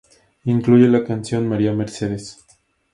Incluye la canción "María Mercedes".